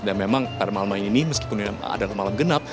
dan memang pada malam ini meskipun ada malam genap